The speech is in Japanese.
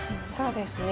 そうですね。